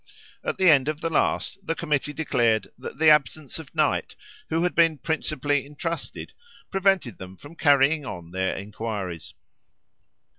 At the end of the last, the committee declared, that the absence of Knight, who had been principally entrusted, prevented them from carrying on their inquiries.